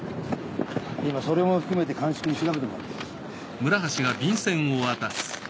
今それも含めて鑑識に調べてもらってる。